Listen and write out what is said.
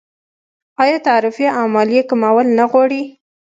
آیا تعرفې او مالیې کمول نه غواړي؟